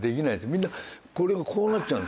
みんなこれがこうなっちゃうんですよね。